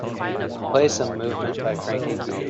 play some movement by Franky Gee